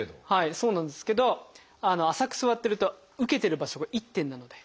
そうなんですけど浅く座ってると受けてる場所が一点なので。